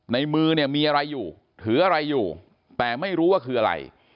ในมือเนี่ยมีอะไรอยู่ถืออะไรอยู่แต่ไม่รู้ว่าคืออะไร